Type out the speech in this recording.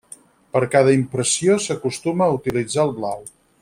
Per cada impressió s'acostuma a utilitzar el blau.